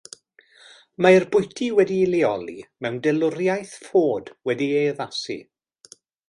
Mae'r bwyty wedi'i leoli mewn delwriaeth Ford wedi'i addasu.